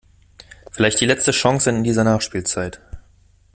Vielleicht die letzte Chance in dieser Nachspielzeit.